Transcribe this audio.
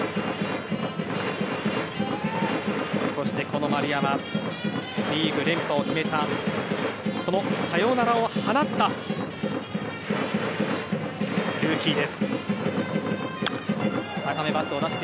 この丸山、リーグ連覇を決めたそのサヨナラを放ったルーキー。